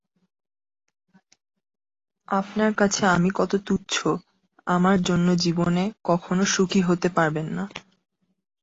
আপনার কাছে আমি কত তুচ্ছ, আমার জন্য জীবনে কখনো সুখী হতে পারবেন না।